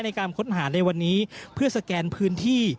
ในการค้นหาในวันนี้เพื่อสแกนพื้นที่